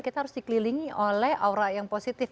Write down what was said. kita harus dikelilingi oleh aura yang positif